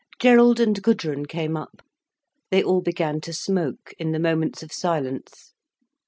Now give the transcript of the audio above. Gerald and Gudrun came up. They all began to smoke, in the moments of silence.